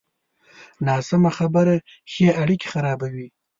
ناسمه خبره ښې اړیکې خرابوي.